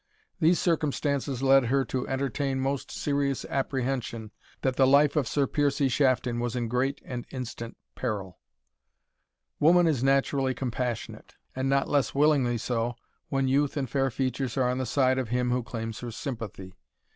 These circumstances led her to entertain most serious apprehension that the life of Sir Piercie Shafton was in great and instant peril. Woman is naturally compassionate, and not less willingly so when youth and fair features are on the side of him who claims her sympathy.